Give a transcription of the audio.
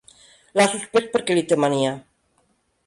L'ha suspès perquè li té mania.